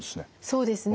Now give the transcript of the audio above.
そうですね